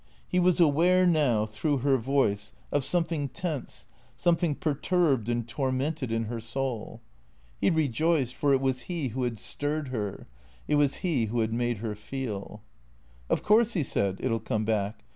He was aware now, through her voice, 292 THE CEEATORS of something tense, something perturbed and tormented In her soul. He rejoiced, for it was he who had stirred her ; it was he who had made her feeh " Of course," he said, " it '11 come back.